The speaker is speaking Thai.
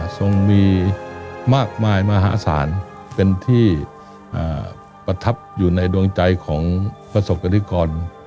ทรงมีมากมายมหาศาลเป็นที่ประทับอยู่ในดวงใจของประสบกรณิกร